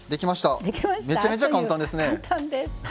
めちゃめちゃ簡単ですね。